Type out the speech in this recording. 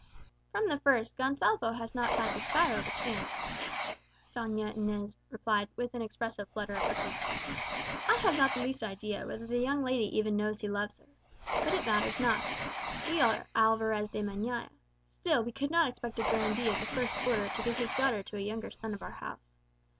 "From the first, Gonsalvo had not the shadow of a chance," Doña Inez replied, with an expressive flutter of her fan. "I have not the least idea whether the young lady even knows he loves her. But it matters not. We are Alvarez de Meñaya; still we could not expect a grandee of the first order to give his daughter to a younger son of our house.